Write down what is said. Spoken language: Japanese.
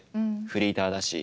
フリーターだし。